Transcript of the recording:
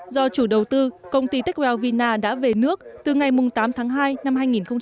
do chủ đầu tư công ty techwell vina đã về nước từ ngày tám tháng hai năm hai nghìn hai mươi